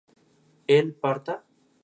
¿él parta?